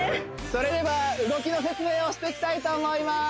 それでは動きの説明をしてきたいと思いまーす